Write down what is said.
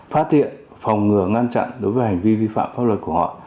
phát hiện phòng ngừa ngăn chặn đối với hành vi vi phạm pháp luật của họ